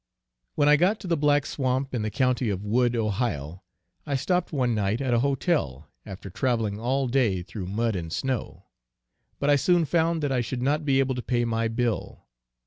When I got to the Black Swamp in the county of Wood, Ohio, I stopped one night at a hotel, after travelling all day through mud and snow; but I soon found that I should not be able to pay my bill.